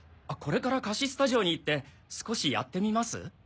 これから貸しスタジオに行って少しやってみます？